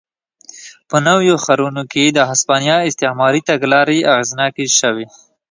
په نویو ښارونو کې د هسپانیا استعماري تګلارې اغېزناکې شوې.